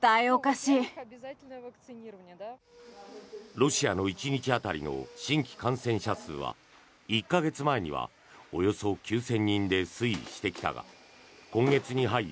ロシアの１日当たりの新規感染者数は、１か月前にはおよそ９０００人で推移してきたが今月に入り